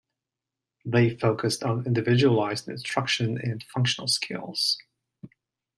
They focused on individualized instruction and functional skills.